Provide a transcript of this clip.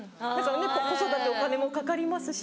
子育てお金もかかりますし。